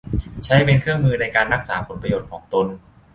ใช้เป็นเครื่องมือในการรักษาผลประโยชน์ของตน